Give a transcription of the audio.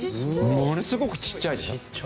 ものすごくちっちゃいでしょ？